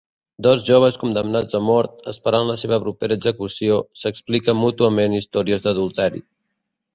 Dos joves condemnats a mort, esperant la seva propera execució, s'expliquen mútuament històries d'adulteri.